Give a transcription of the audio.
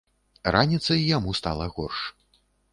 Раніцай яму стала горш.